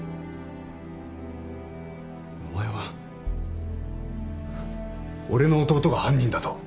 お前は俺の弟が犯人だと？